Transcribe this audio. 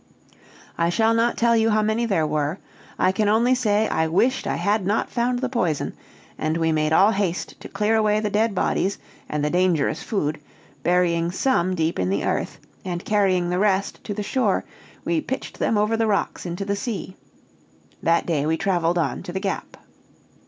I shall not tell you how many there were. I can only say, I wished I had not found the poison, and we made all haste to clear away the dead bodies, and the dangerous food, burying some deep in the earth, and, carrying the rest to the shore, we pitched them over the rocks into the sea. That day we traveled on to the Gap."